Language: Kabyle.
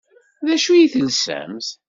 D acu i telsamt?